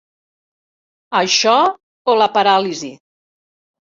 Això o la paràlisi.